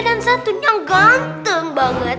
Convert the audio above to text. dan satunya ganteng banget